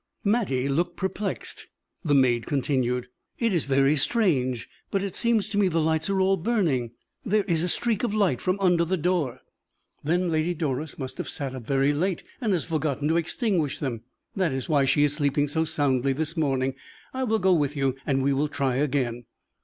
Mattie looked perplexed. The maid continued: "It is very strange, but it seems to me the lights are all burning there is a streak of light from under the door." "Then Lady Doris must have sat up very late, and has forgotten to extinguish them; that is why she is sleeping so soundly this morning. I will go with you and we will try again."